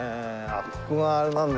あそこがあれなんだ